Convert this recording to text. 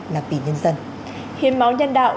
là bỉ nhân dân hiếm máu nhân đạo